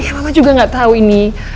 mama juga gak tau ini